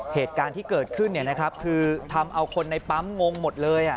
เหตุการณ์ที่เกิดขึ้นคือทำเอาคนในปั๊มงงหมดเลย